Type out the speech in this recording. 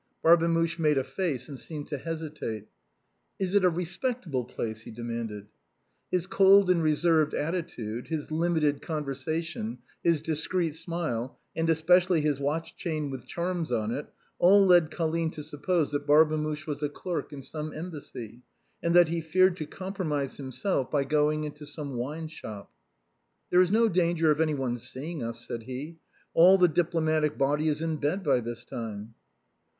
Barbemuche made a face, and seemed to hesitate. " Is it a respectable place ?" he demanded. His cold and reserved attitude, his limited conversation, his discreet smile, and especially his watch chain with charms on it, all led Colline to suppose that Barbemuche was a clerk in some embassy, and that he feared to com promise himself by going into a wineshop. " There is no danger of any one seeing us," said he ;" all the diplomatic body is in bed by this time."